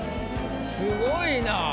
すごいな。